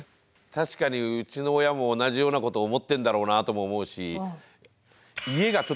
確かにうちの親も同じようなこと思ってんだろうなとも思うし。